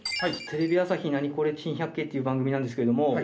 テレビ朝日『ナニコレ珍百景』っていう番組なんですけれども。